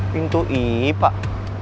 pintu i pak